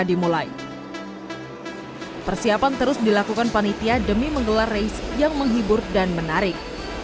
dimulai persiapan terus dilakukan panitia demi menggelar race yang menghibur dan menarik